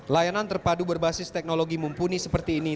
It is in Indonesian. layanan terpadu berbasis teknologi mumpuni seperti ini